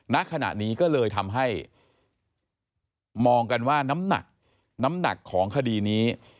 ณขณะนี้ก็เลยทำให้มองกันว่าน้ำหนักน้ำหนักของคดีนี้